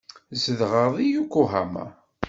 Zedɣeɣ deg Yokohama.